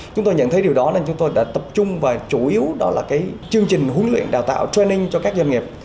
chúng tôi nhận thấy điều đó nên chúng tôi đã tập trung vào chủ yếu đó là cái chương trình huấn luyện đào tạo training cho các doanh nghiệp